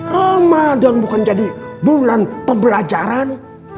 ramadan bukan jadi bulan pembelajaran